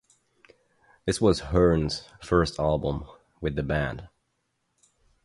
This was Hearn's first album with the band.